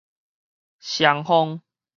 雙方